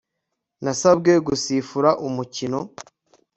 Nasabwe gusifura umukino